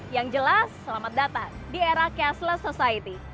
yang jelas selamat datang di era cashless society